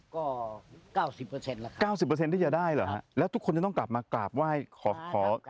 ก็เก้าสิบเปอร์เซ็นต์แล้วครับเก้าสิบเปอร์เซ็นต์ที่จะได้หรอฮะแล้วทุกคนจะต้องกลับมากราบไหว้ขอขอ